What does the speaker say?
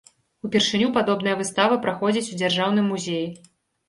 Упершыню падобная выстава праходзіць у дзяржаўным музеі.